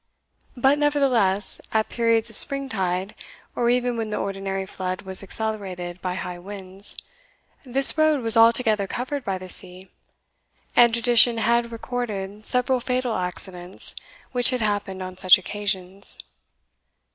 But, nevertheless, at periods of spring tide, or even when the ordinary flood was accelerated by high winds, this road was altogether covered by the sea; and tradition had recorded several fatal accidents which had happened on such occasions.